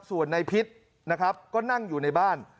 ส่วนในพิษนะครับก็นั่งอยู่ในบ้าน